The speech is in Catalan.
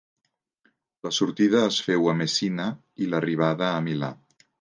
La sortida es féu a Messina i l'arribada a Milà.